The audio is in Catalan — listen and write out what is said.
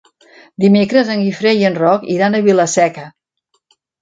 Dimecres en Guifré i en Roc iran a Vila-seca.